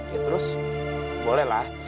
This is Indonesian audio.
ya terus boleh lah